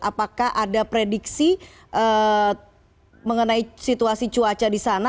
apakah ada prediksi mengenai situasi cuaca di sana